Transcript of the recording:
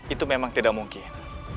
itu memang tidak mungkin